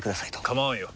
構わんよ。